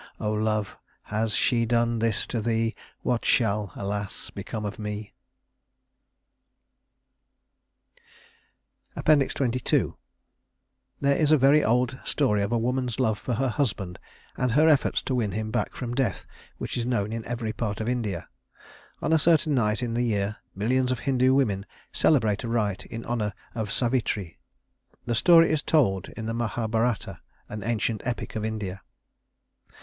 O love! has she done this to thee? What shall (alas) become of mee?" XXII There is a very old story of a woman's love for her husband and her efforts to win him back from Death which is known in every part of India. On a certain night in the year millions of Hindu women celebrate a rite in honor of Savitri. The story is told in the Mahabharata, an ancient epic of India.